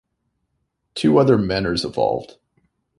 Two other manors evolved.